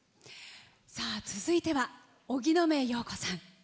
続いては荻野目洋子さん。